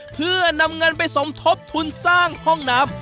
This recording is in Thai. เพื่อนำเงินไปสมทบทุนสร้างห้องน้ำ